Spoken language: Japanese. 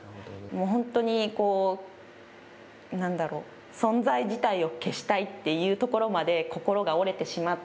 本当に、何だろう存在自体を消したいっていうところまで心が折れてしまった。